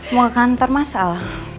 mau ke kantor mas al